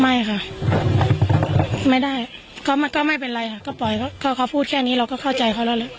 ไม่ค่ะไม่ได้เขาก็ไม่เป็นไรค่ะก็ปล่อยเขาพูดแค่นี้เราก็เข้าใจเขาแล้วแหละ